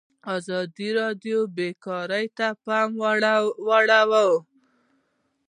ازادي راډیو د بیکاري ته پام اړولی.